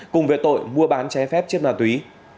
cùng về tội mua bán trái phép chất ma túy